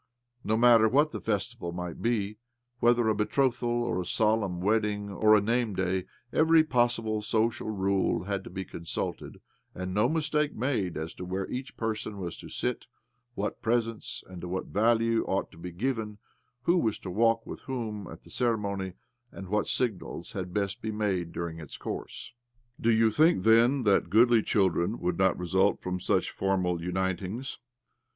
No matter what the festival might be— whether 124 OBLOMOV a betrothal or a solemn wedding or a name day— every possible social rule had to be consulted, and no mistake made as to where each person was to sit, what presents, and to what value, ought to be given, who was to walk with whom at the ceremony, and what signals had best be made during its course . Do you think, then, that goodly children would not result from such formal unitihgs